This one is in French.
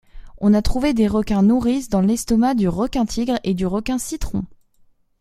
On a trouvé des requins nourrices dans l’estomac du requin-tigre et du requin-citron.